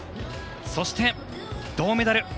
そして、銅メダル。